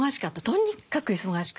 とにかく忙しくて。